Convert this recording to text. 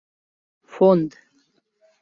— Фонд!